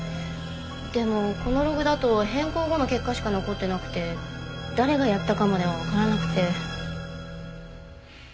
でもこのログだと変更後の結果しか残ってなくて誰がやったかまではわからなくて。